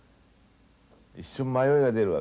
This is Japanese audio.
一瞬迷いが出るわけですよ。